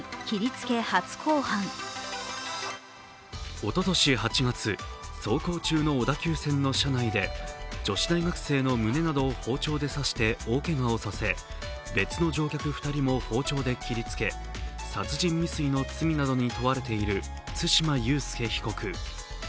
おととし８月、走行中の小田急線の車内で女子大学生の胸などを包丁で刺し大けがをさせて別の乗客２人も包丁で切りつけ殺人未遂の罪などに問われている対馬悠介被告。